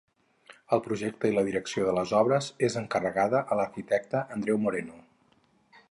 El projecte i la direcció de les obres és encarregada a l'arquitecte Andreu Moreno.